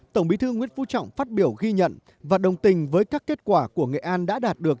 tổng bí thư nguyễn phú trọng phát biểu ghi nhận và đồng tình với các kết quả của nghệ an đã đạt được